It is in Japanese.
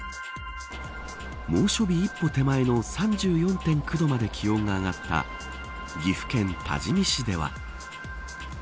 猛暑日一歩手前の３４．９度まで気温が上がった岐阜県多治見市では。